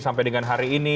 sampai dengan hari ini